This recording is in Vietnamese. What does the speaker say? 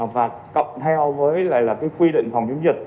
và cộng theo với quy định phòng chống dịch